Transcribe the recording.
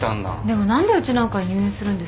でも何でうちなんかに入院するんですか？